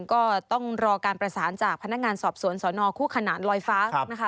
ก็ต้องรอการประสานจากพนักงานสอบสวนสนคู่ขนานลอยฟ้านะคะ